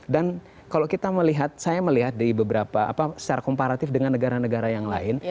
dan kalau kita melihat saya melihat di beberapa secara komparatif dengan negara negara yang lain